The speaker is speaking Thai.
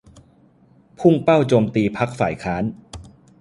พุ่งเป้าโจมตีพรรคฝ่ายค้าน